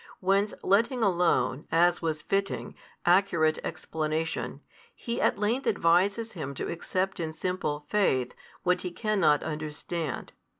Whence letting alone, as was fitting, accurate explanation, He at length advises him to accept in simple faith, what he cannot understand.